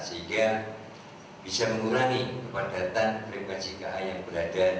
sehingga bisa mengurangi kepadatan frekuensi ka yang berada